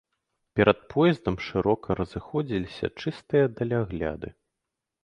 Перад поездам шырока разыходзіліся чыстыя далягляды.